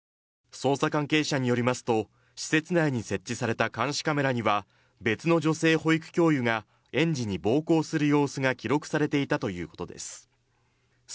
捜査関係者によりますと施設内に設置された監視カメラには別の保育教諭が園児に暴行する様子が記録されていたということです。